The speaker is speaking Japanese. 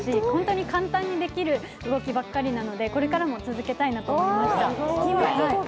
本当に簡単にできる動きばっかりなので、これからも続けたいなと思いました。